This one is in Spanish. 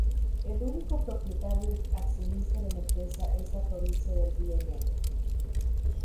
El único propietario y accionista de la empresa es la provincia del Río Negro.